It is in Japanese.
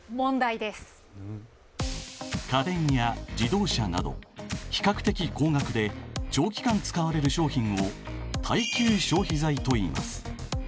家電や自動車など比較的高額で長期間使われる商品を耐久消費財といいます。